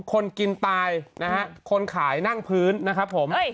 คนกินตายนะฮะคนขายนั่งพื้นนะครับผม